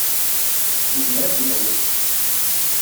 Nezmer ad d-nalel.